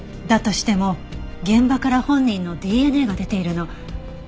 だとしても現場から本人のＤＮＡが出ているの。